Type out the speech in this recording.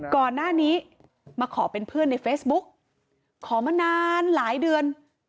ก่อนหน้านี้มาขอเป็นเพื่อนในเฟซบุ๊กขอมานานหลายเดือน